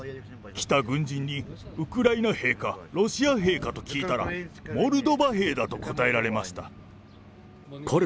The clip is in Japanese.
来た軍人にウクライナ兵か、ロシア兵かと聞いたら、モルドバ兵だと答えられました。